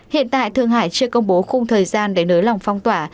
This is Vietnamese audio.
hiện tại thượng hải chưa công bố khung thời gian để nới lòng phong tỏa